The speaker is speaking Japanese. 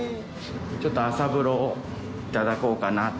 ちょっと朝風呂をいただこうかなと。